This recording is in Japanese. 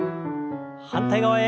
反対側へ。